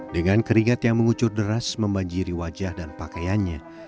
dengan keringat yang mengucur deras membanjiri wajah dan pakaiannya